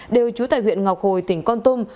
đều trú tại huyện ngọc hồi tỉnh con tum